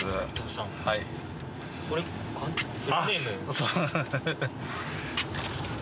そう。